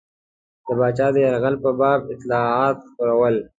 د پاچا د یرغل په باب اطلاعات خپرول.